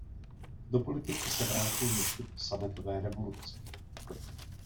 Do politiky se vrátil ještě po sametové revoluci.